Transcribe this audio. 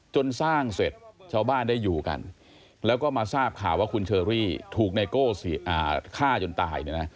จนสร้างเสร็จชาวบ้านได้อยู่กันแล้วก็มาทราบข่าวว่าคุณเชอรี่ถูกไนโก้ฆ่าจนตายเนี่ยนะ